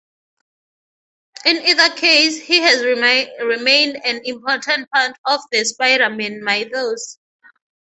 In either case, he has remained an important part of the Spider-Man mythos.